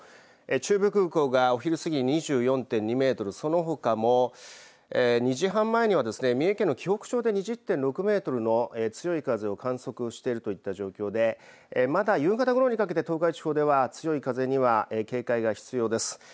中部空港がお昼過ぎ２４．２メートル、そのほかも２時半前には、三重県の紀北町で２０．６メートルの強い風を観測しているといった状況で、まだ夕方ごろにかけて、東海地方では強い風には警戒が必要です。